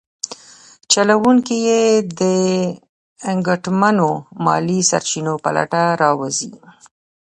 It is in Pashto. چلونکي یې د ګټمنو مالي سرچینو په لټه راوځي.